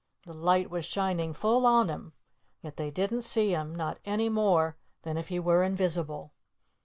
The light was shining full on him. Yet they didn't see him, not any more than if he were invisible.